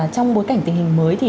trong bối cảnh tình hình mới